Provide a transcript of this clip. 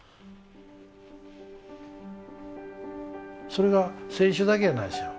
それが選手だけやないですよ。